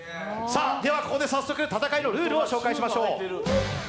ここで早速、戦いのルールをご紹介しましょう。